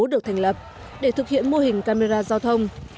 được thành lập để thực hiện mô hình camera giao thông